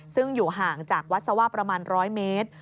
ซึ่งอยู่ห่างจากวัดสว่าประมาณ๑๐๐เมตร